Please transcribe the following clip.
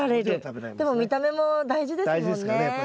でも見た目も大事ですもんね。